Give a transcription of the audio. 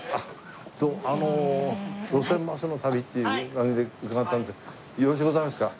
あの『路線バスの旅』っていうあれで伺ったんですがよろしゅうございますか？